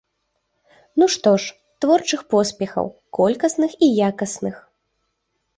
Ну што ж, творчых поспехаў, колькасных і якасных!